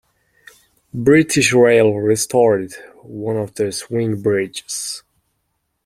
British Rail restored one of the swing bridges.